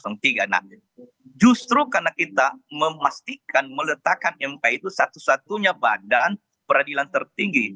nah justru karena kita memastikan meletakkan mk itu satu satunya badan peradilan tertinggi